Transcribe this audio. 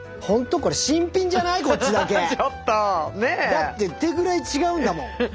だってってぐらい違うんだもん。